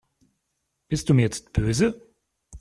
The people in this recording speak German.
Bist du mir jetzt böse?